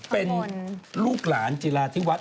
เป็นลูกหลานจิลาธิวัฒน